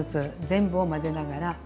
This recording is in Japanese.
全部を混ぜながら。